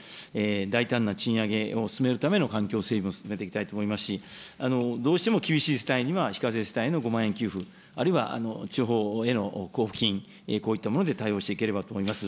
大胆な賃上げを進めるための環境整備も進めていきたいと思いますし、どうしても厳しい世帯には非課税世帯への５万円給付、あるいは地方への交付金、こういったもので対応していければと思います。